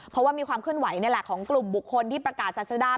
เพราะว่ามีความเคลื่อนไหวนี่แหละของกลุ่มบุคคลที่ประกาศศาสดา